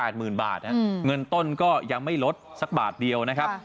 หมื่นบาทเงินต้นก็ยังไม่ลดสักบาทเดียวนะครับ